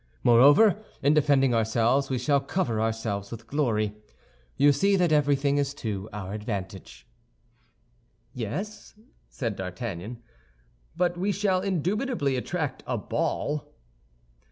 Moreover, in defending ourselves, we shall cover ourselves with glory. You see that everything is to our advantage." "Yes," said D'Artagnan; "but we shall indubitably attract a ball."